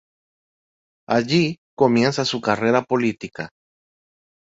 Allí comienza su carrera política.